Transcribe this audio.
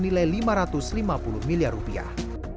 nilai investasi senilai lima ratus lima puluh miliar rupiah